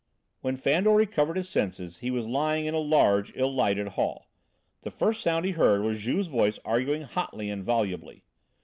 When Fandor recovered his senses he was lying in a large, ill lighted hall. The first sound he heard was Juve's voice arguing hotly and volubly.